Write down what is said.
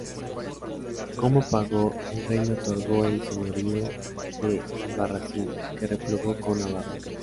Como pago, el rey le otorgó el señorío de Albarracín, que repobló con navarros.